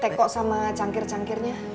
teko sama cangkir cangkirnya